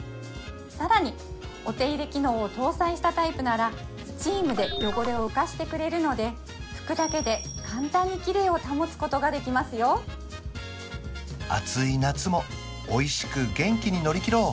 さらにお手入れ機能を搭載したタイプならスチームで汚れを浮かしてくれるので拭くだけで簡単にキレイを保つことができますよ暑い夏もおいしく元気に乗り切ろう！